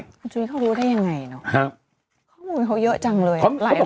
คุณชุวิตเขารู้ได้ยังไงเนอะ